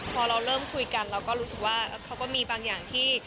พอเราเริ่มคุยกันเราก็รู้สึกว่าเขาก็มีบางอย่างที่